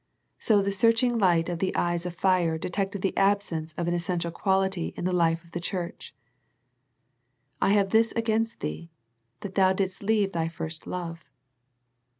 So the searching light of the eyes of fire detected the absence of an essential quality in the life of the church. " I have against thee, that thou didst leave thy first love."